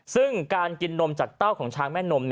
ซึ่งการกินนมจากเต้าของช้างแม่นม